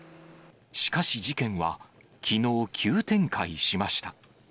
しかし事件は、きのう急展開しました。